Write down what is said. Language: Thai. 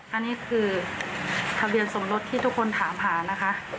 อันนี้คือทะเบียนสมรสที่ทุกคนถามหานะคะ